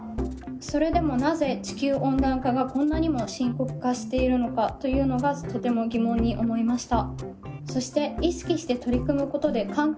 それでもなぜ地球温暖化がこんなにも深刻化しているのかというのがとても疑問に思いました。